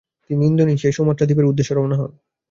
তিনি ইন্দোনেশিয়ার সুমাত্রা দীপের উদ্দেশ্যে রওনা হন।